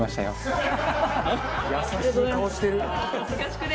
優しい顔してる。